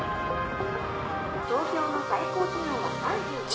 「東京の最高気温は３５度」